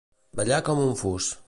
Ballar com un fus.